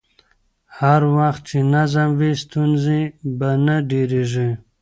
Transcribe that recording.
هر وخت چې نظم وي، ستونزې به نه ډېرېږي.